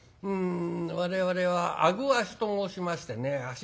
我々は顎足と申しましてね足。